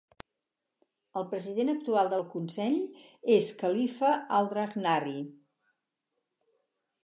El president actual del consell és Khalifa Al Dhahrani.